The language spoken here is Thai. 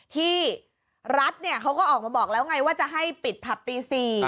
ที่รัฐเขาก็ออกมาบอกแล้วไงว่าจะให้ปิดผับตี๔